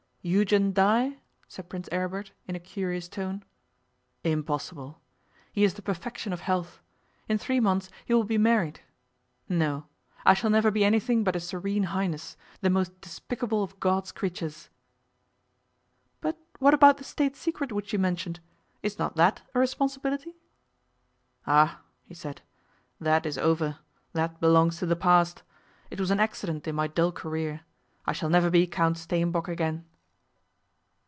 'Eugen die?' said Prince Aribert, in a curious tone. 'Impossible. He is the perfection of health. In three months he will be married. No, I shall never be anything but a Serene Highness, the most despicable of God's creatures.' 'But what about the State secret which you mentioned? Is not that a responsibility?' 'Ah!' he said. 'That is over. That belongs to the past. It was an accident in my dull career. I shall never be Count Steenbock again.